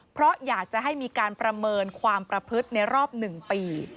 เพราะอยากจะให้มีการประเมินความประพฤติในรอบ๑ปี